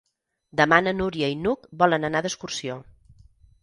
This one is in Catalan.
Demà na Núria i n'Hug volen anar d'excursió.